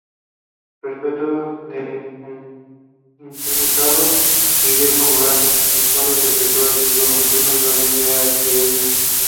Respecto del imputado Guillermo Durán, el juez decretó arresto nocturno y orden de arraigo.